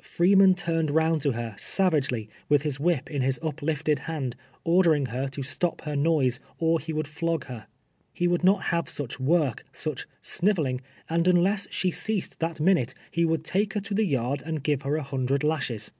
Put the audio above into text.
Freeman turned round to her, savagely, with his whip in his uplifted hand, ordering her to stop her noise, or he would ii<'»g lier. lie would not have such work — such snivelling; and unless she ceased that minute, he would take her to tlie yard and give her a hundred lashes.